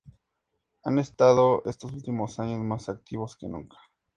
Han estado estos últimos años más activos que nunca.